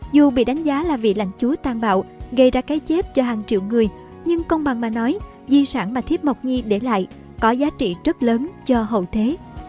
dù bị đánh giá là vị lãnh chúa tan bạo gây ra cái chết cho hàng triệu người nhưng công bằng mà nói di sản mà thiếp mộc nhi để lại có giá trị rất lớn cho hậu thế